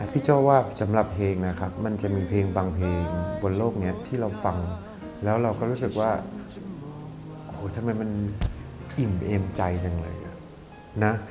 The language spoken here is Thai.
โจ้ว่าสำหรับเพลงนะครับมันจะมีเพลงบางเพลงบนโลกนี้ที่เราฟังแล้วเราก็รู้สึกว่าโหทำไมมันอิ่มเอมใจจังเลยนะ